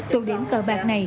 tụ điểm cờ bạc này